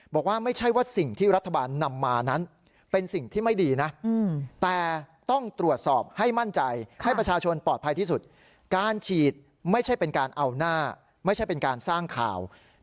บอกว่าไม่ใช่ว่าสิ่งที่รัฐบาลนำมานั้นเป็นสิ่งที่ไม่ดีนะ